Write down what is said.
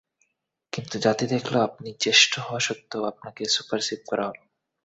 কিন্তু জাতি দেখল আপনি জ্যেষ্ঠ হওয়া সত্ত্বেও আপনাকে সুপারসিড করা হলো।